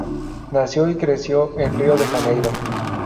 Nació y creció en Río de Janeiro.